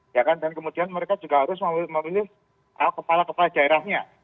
ya kan dan kemudian mereka juga harus memilih kepala kepala daerahnya